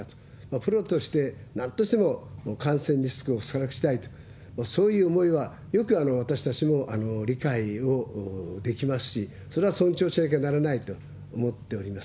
プロとしてなんとしても感染リスクを減らしたいと、そういう思いはよく私たちも理解をできますし、それは尊重しなきゃならないと思っております。